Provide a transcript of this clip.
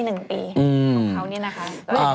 หนึ่งปีของเขานี่นะคะ